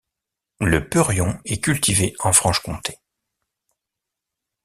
Le peurion est cultivé en Franche-Comté.